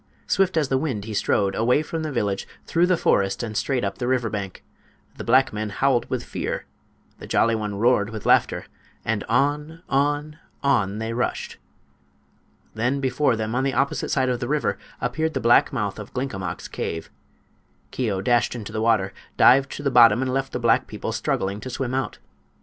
Swift as the wind he strode, away from the village, through the forest and straight up the river bank. The black men howled with fear; the Jolly One roared with laughter; and on, on, on they rushed! Then before them, on the opposite side of the river, appeared the black mouth of Glinkomok's cave. Keo dashed into the water, dived to the bottom and left the black people struggling to swim out.